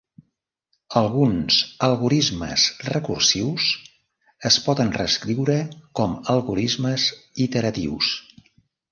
Alguns algorismes recursius es poden reescriure com algorismes iteratius.